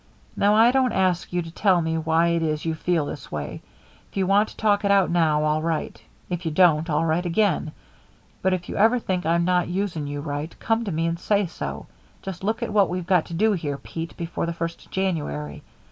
Now, I don't ask you to tell me why it is you feel this way. If you want to talk it out now, all right. If you don't, all right again. But if you ever think I'm not using you right, come to me and say so. Just look at what we've got to do here, Pete, before the first of January.